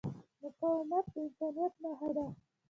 مقاومت د انسانیت نښه ده.